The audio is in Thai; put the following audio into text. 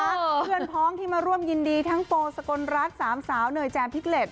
เพื่อนพ้องที่มาร่วมยินดีทั้งโปสกลรัฐสามสาวเนยแจมพิกเล็ต